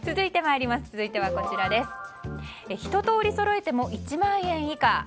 続いては、ひととおりそろえても１万円以下。